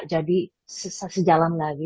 jadi sejalan lagi